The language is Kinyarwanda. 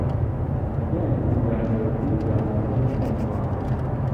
Nagiranye ikiganiro cyiza na se w'umukunzi wanjye